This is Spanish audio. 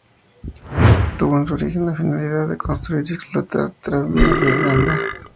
Tuvo en su origen la finalidad de construir y explotar el tranvía de Granada.